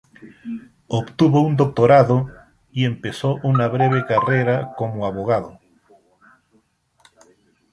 Obtuvo un doctorado, y empezó una breve carrera como abogado.